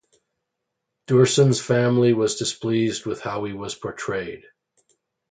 Duerson's family was displeased with how he was portrayed.